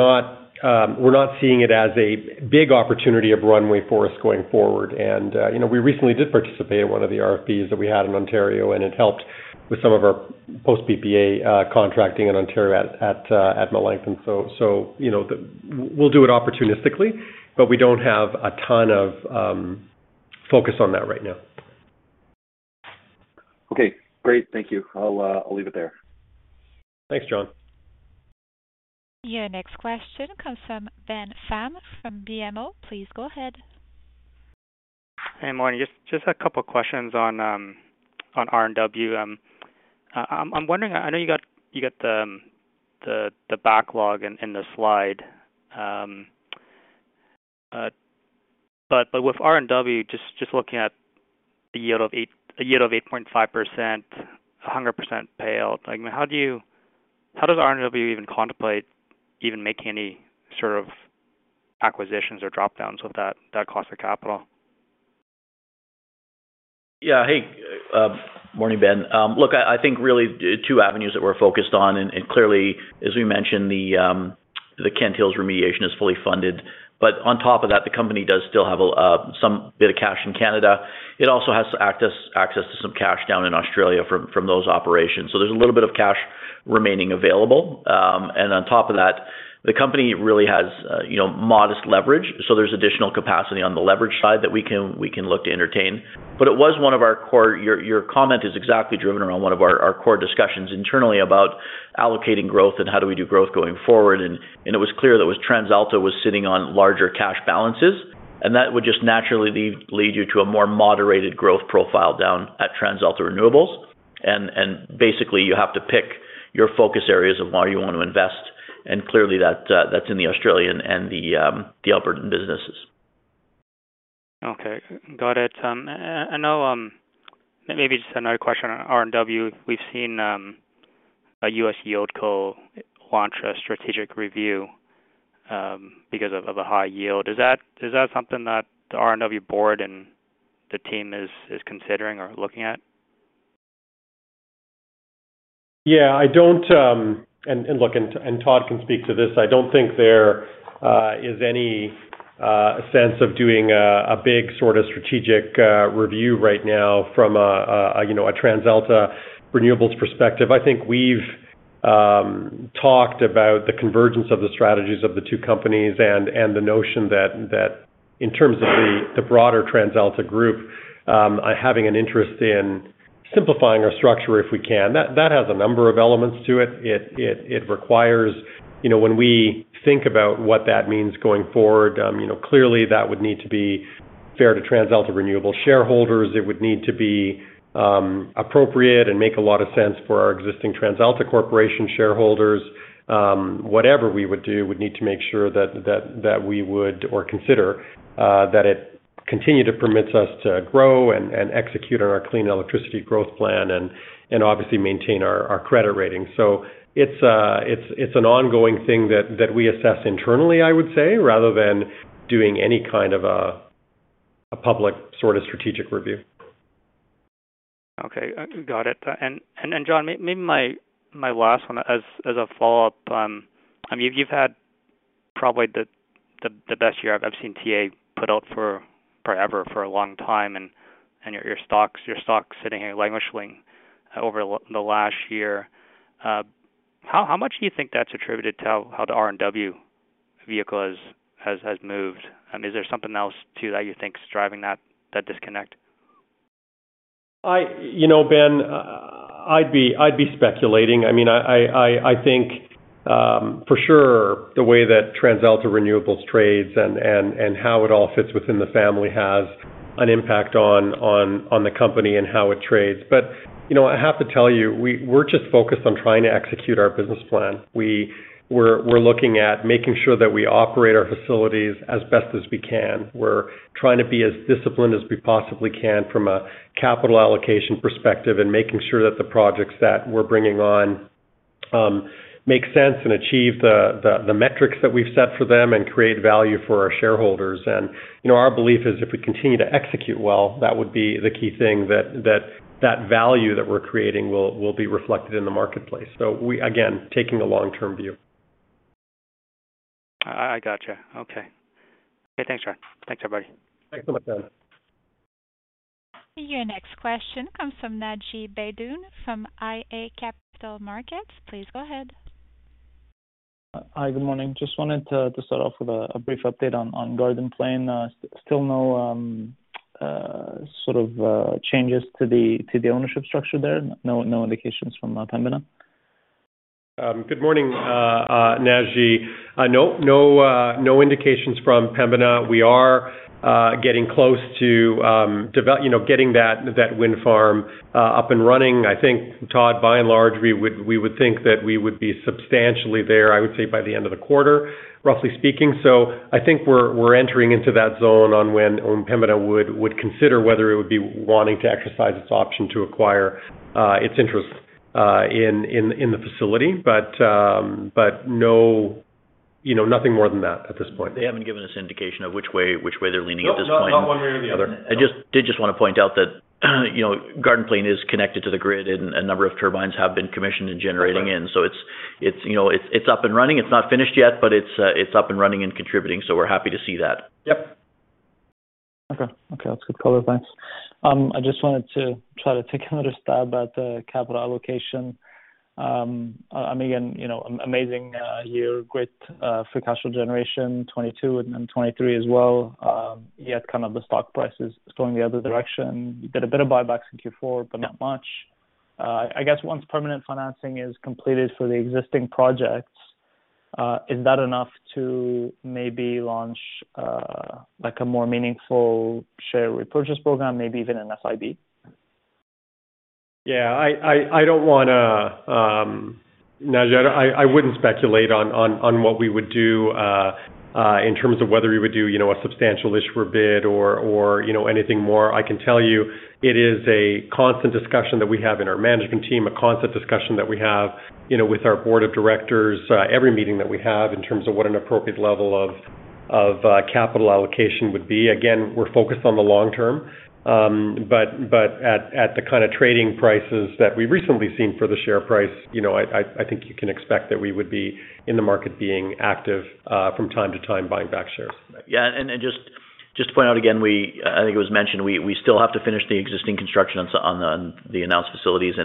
not seeing it as a big opportunity of runway for us going forward. You know, we recently did participate in one of the RFPs that we had in Ontario, and it helped with some of our post-PPA contracting in Ontario at Melancthon. You know, we'll do it opportunistically, but we don't have a ton of focus on that right now. Okay, great. Thank you. I'll leave it there. Thanks, John. Your next question comes from Ben Pham from BMO. Please go ahead. Hey, morning. Just a couple of questions on RNW. I'm wondering, I know you got the backlog in the slide. But with RNW, just looking at a yield of 8.5%, 100% payout. Like how does RNW even contemplate even making any sort of acquisitions or drop-downs with that cost of capital? Yeah. Hey. Morning, Ben. Look, I think really the two avenues that we're focused on. Clearly, as we mentioned, the Kent Hills remediation is fully funded, but on top of that, the company does still have a some bit of cash in Canada. It also has access to some cash down in Australia from those operations. There's a little bit of cash remaining available. On top of that, the company really has, you know, modest leverage. There's additional capacity on the leverage side that we can, we can look to entertain. Your comment is exactly driven around one of our core discussions internally about allocating growth and how do we do growth going forward. It was clear that TransAlta was sitting on larger cash balances, and that would just naturally lead you to a more moderated growth profile down at TransAlta Renewables. Basically, you have to pick your focus areas of where you want to invest, and clearly that's in the Australian and the Albertan businesses. Okay. Got it. Now, maybe just another question on RNW. We've seen a U.S. YieldCo launch a strategic review because of a high yield. Is that something that the RNW board and the team is considering or looking at? I don't. And look, Todd can speak to this. I don't think there is any sense of doing a big sorta strategic review right now from a, you know, a TransAlta Renewables perspective. I think we've talked about the convergence of the strategies of the two companies and the notion that in terms of the broader TransAlta group, having an interest in simplifying our structure if we can. That has a number of elements to it. It requires. You know, when we think about what that means going forward, you know, clearly that would need to be fair to TransAlta Renewables shareholders. It would need to be appropriate and make a lot of sense for our existing TransAlta Corporation shareholders. Whatever we would do, we need to make sure that we would or consider that it continue to permits us to grow and execute on our clean electricity growth plan and obviously maintain our credit rating. It's an ongoing thing that we assess internally, I would say, rather than doing any kind of a public sort of strategic review. Okay. got it. Then John, maybe my last one as a follow-up. I mean, you've had probably the best year I've seen TA put out for forever, for a long time, and your stock sitting here languishing over the last year. How much do you think that's attributed to how the RNW vehicle has moved? I mean, is there something else too that you think is driving that disconnect? You know, Ben, I'd be speculating. I mean, I think, for sure the way that TransAlta Renewables trades and how it all fits within the family has an impact on the company and how it trades. But, you know, I have to tell you, we're just focused on trying to execute our business plan. We're looking at making sure that we operate our facilities as best as we can. We're trying to be as disciplined as we possibly can from a capital allocation perspective and making sure that the projects that we're bringing on make sense and achieve the metrics that we've set for them and create value for our shareholders. You know, our belief is if we continue to execute well, that would be the key thing that value that we're creating will be reflected in the marketplace. Again, taking a long-term view. I gotcha. Okay. Okay, thanks, John. Thanks, everybody. Thanks so much, Ben. Your next question comes from Naji Baydoun from iA Capital Markets. Please go ahead. Hi, good morning. Just wanted to start off with a brief update on Garden Plain. Still no sort of changes to the ownership structure there? No indications from Pembina? Good morning, Naji. No indications from Pembina. We are getting close to, you know, getting that wind farm up and running. I think, Todd, by and large, we would think that we would be substantially there, I would say, by the end of the quarter, roughly speaking. I think we're entering into that zone on when Pembina would consider whether it would be wanting to exercise its option to acquire its interest in the facility. No. You know, nothing more than that at this point. They haven't given us indication of which way they're leaning at this point. No, not one way or the other. I did just want to point out that, you know, Garden Plain is connected to the grid and a number of turbines have been commissioned and generating in. It's, you know, it's up and running. It's not finished yet, but it's up and running and contributing, so we're happy to see that. Yep. Okay. Okay, that's good color. Thanks. I just wanted to try to take another stab at the capital allocation. Again, you know, amazing year. Great free cash flow generation, 2022 and 2023 as well. Yet kind of the stock price is going the other direction. You did a bit of buybacks in Q4, but not much. I guess once permanent financing is completed for the existing projects, is that enough to maybe launch, like, a more meaningful share repurchase program, maybe even an SIB? Yeah, I don't wanna. Naji, I wouldn't speculate on what we would do in terms of whether we would do, you know, a substantial issue for bid or, you know, anything more. I can tell you it is a constant discussion that we have in our management team, a constant discussion that we have, you know, with our board of directors, every meeting that we have in terms of what an appropriate level of capital allocation would be. Again, we're focused on the long term. At the kinda trading prices that we've recently seen for the share price, you know, I think you can expect that we would be in the market being active from time to time buying back shares. Yeah. Just to point out again, I think it was mentioned, we still have to finish the existing construction on the announced facilities.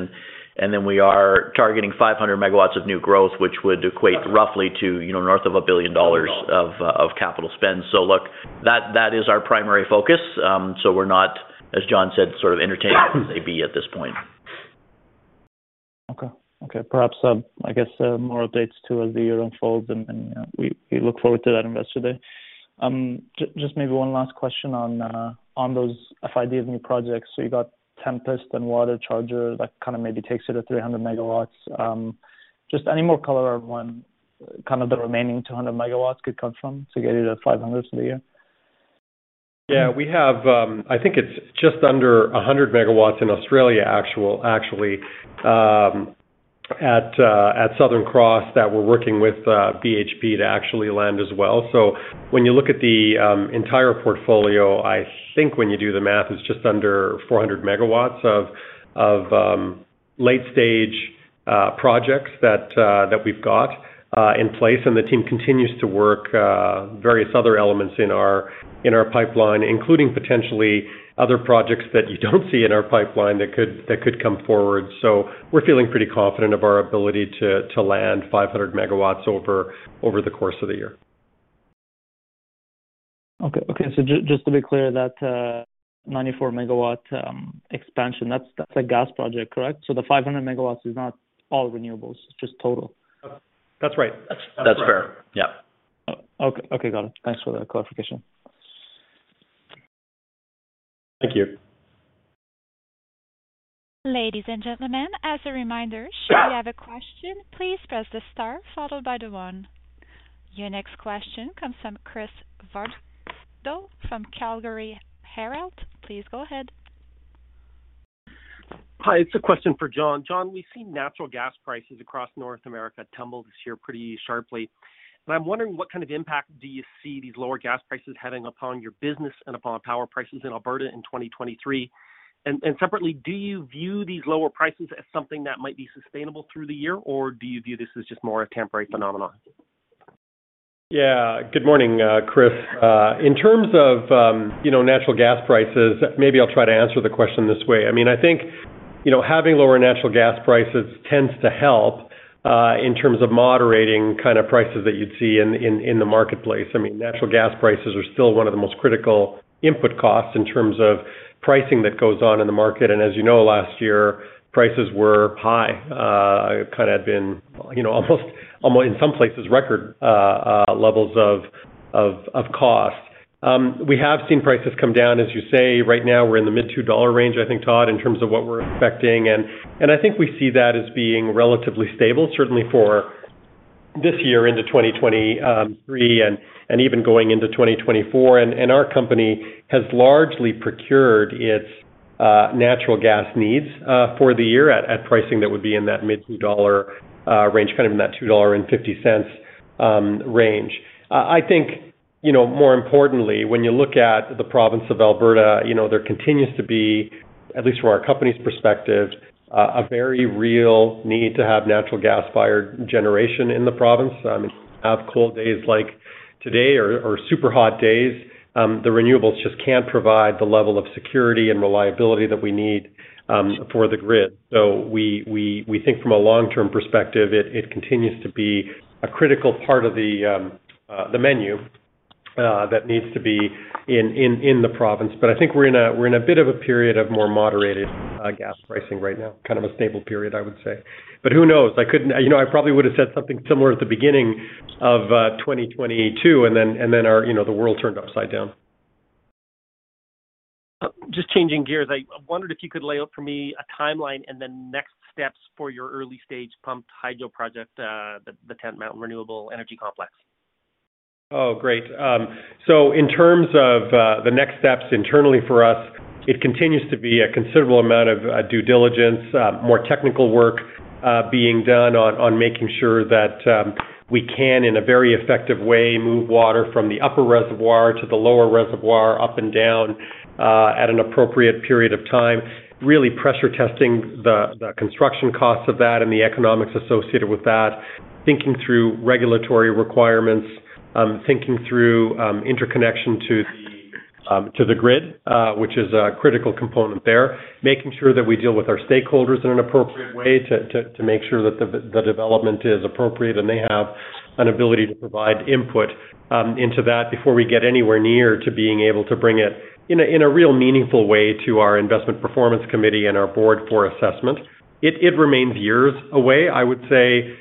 Then we are targeting 500 MW of new growth, which would equate roughly to, you know, north of a billion dollars of capital spend. Look, that is our primary focus. We're not, as John said, sort of entertaining at this point. Okay. Okay. Perhaps, I guess, more updates too as the year unfolds, we look forward to that Investor Day. Just maybe one last question on those FIBs new projects. You got Tempest and WaterCharger, that kinda maybe takes you to 300 MW. Just any more color on kind of the remaining 200 MW could come from to get you to 500 for the year? We have, I think it's just under 100 MW in Australia actually, at Southern Cross that we're working with BHP to actually land as well. When you look at the entire portfolio, I think when you do the math, it's just under 400 MW of late stage projects that we've got in place. The team continues to work various other elements in our pipeline, including potentially other projects that you don't see in our pipeline that could come forward. We're feeling pretty confident of our ability to land 500 MW over the course of the year. Okay. Okay. Just to be clear, that 94 MW expansion, that's a gas project, correct? The 500 MW is not all renewables, it's just total. That's right. That's fair. Yeah. Oh, okay. Okay, got it. Thanks for the clarification. Thank you. Ladies and gentlemen, as a reminder, should you have a question, please press the star followed by the one. Your next question comes from Chris Varcoe from Calgary Herald. Please go ahead. Hi. It's a question for John. John, we've seen natural gas prices across North America tumble this year pretty sharply. I'm wondering what kind of impact do you see these lower gas prices having upon your business and upon power prices in Alberta in 2023. Separately, do you view these lower prices as something that might be sustainable through the year? Or do you view this as just more a temporary phenomenon? Yeah. Good morning, Chris. In terms of, you know, natural gas prices, maybe I'll try to answer the question this way. I mean, I think, you know, having lower natural gas prices tends to help in terms of moderating kind of prices that you'd see in, in the marketplace. I mean, natural gas prices are still one of the most critical input costs in terms of pricing that goes on in the market. As you know, last year, prices were high, kind of been, you know, almost in some places, record levels of cost. We have seen prices come down, as you say. Right now, we're in the mid $2 range, I think, Todd, in terms of what we're expecting. I think we see that as being relatively stable, certainly for this year into 2023 and even going into 2024. Our company has largely procured its natural gas needs for the year at pricing that would be in that mid 2 dollar range, kind of in that 2.50 dollar range. I think, you know, more importantly, when you look at the province of Alberta, you know, there continues to be, at least from our company's perspective, a very real need to have natural gas-fired generation in the province. On cold days like today or super hot days, the renewables just can't provide the level of security and reliability that we need for the grid. We think from a long-term perspective, it continues to be a critical part of the menu that needs to be in the province. I think we're in a bit of a period of more moderated gas pricing right now, kind of a stable period, I would say. Who knows? I couldn't. You know, I probably would have said something similar at the beginning of 2022, then our, you know, the world turned upside down. Just changing gears, I wondered if you could lay out for me a timeline and the next steps for your early-stage pumped hydro project, the Tent Mountain Renewable Energy Complex. Oh, great. In terms of the next steps internally for us, it continues to be a considerable amount of due diligence, more technical work being done on making sure that we can, in a very effective way, move water from the upper reservoir to the lower reservoir, up and down, at an appropriate period of time. Really pressure testing the construction costs of that and the economics associated with that. Thinking through regulatory requirements. Thinking through interconnection to the grid, which is a critical component there. Making sure that we deal with our stakeholders in an appropriate way to make sure that the development is appropriate and they have an ability to provide input into that before we get anywhere near to being able to bring it in a, in a real meaningful way to our investment performance committee and our board for assessment. It remains years away, I would say,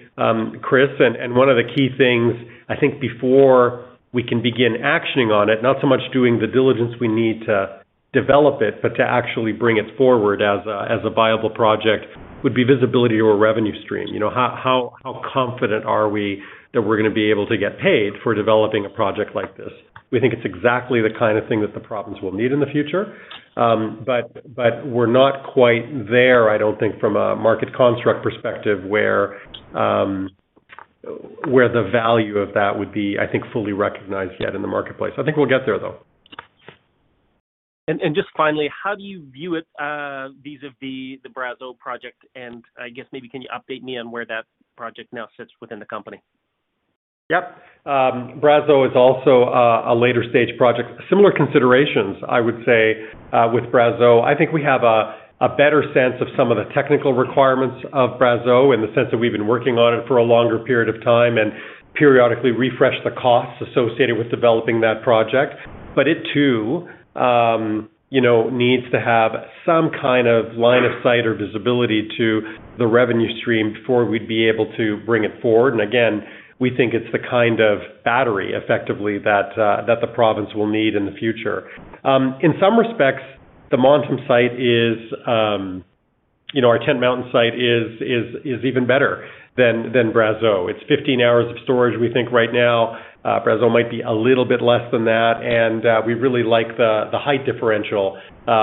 Chris, one of the key things, I think before we can begin actioning on it, not so much doing the diligence we need to develop it, but to actually bring it forward as a, as a viable project would be visibility or revenue stream. You know, how confident are we that we're gonna be able to get paid for developing a project like this? We think it's exactly the kind of thing that the province will need in the future. We're not quite there, I don't think from a market construct perspective, where the value of that would be, I think, fully recognized yet in the marketplace. I think we'll get there, though. Just finally, how do you view it, vis-a-vis the Brazeau project? I guess maybe can you update me on where that project now sits within the company? Yep. Brazeau is also a later stage project. Similar considerations, I would say, with Brazeau. I think we have a better sense of some of the technical requirements of Brazeau in the sense that we've been working on it for a longer period of time and periodically refresh the costs associated with developing that project. It too, you know, needs to have some kind of line of sight or visibility to the revenue stream before we'd be able to bring it forward. Again, we think it's the kind of battery effectively that the province will need in the future. In some respects, the Montem site is, you know, our Tent Mountain site is even better than Brazeau. It's 15 hours of storage, we think right now. Brazeau might be a little bit less than that. We really like the height differential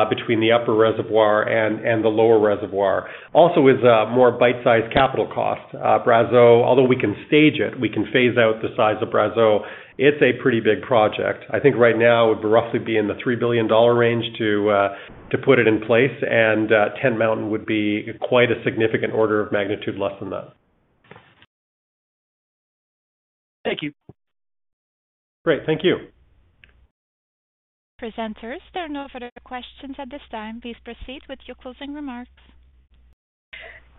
between the upper reservoir and the lower reservoir. Also is a more bite-sized capital cost. Brazeau, although we can stage it, we can phase out the size of Brazeau, it's a pretty big project. I think right now it would roughly be in the 3 billion dollar range to put it in place. Tent Mountain would be quite a significant order of magnitude less than that. Thank you. Great. Thank you. Presenters, there are no further questions at this time. Please proceed with your closing remarks.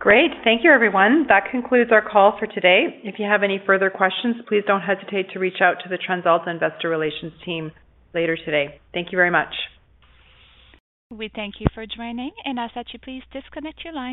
Great. Thank you, everyone. That concludes our call for today. If you have any further questions, please don't hesitate to reach out to the TransAlta Investor Relations team later today. Thank you very much. We thank you for joining and ask that you please disconnect your line.